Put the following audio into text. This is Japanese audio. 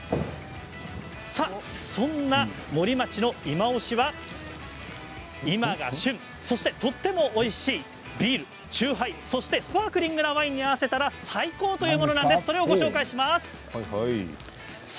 そんな森町のいまオシは今が旬そして、とてもおいしいビール、酎ハイスパークリングワインに合わせたら最高というものです。